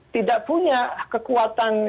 tidak punya kekuatan